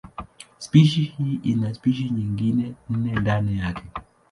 Spishi hii ina spishi nyingine nne ndani yake.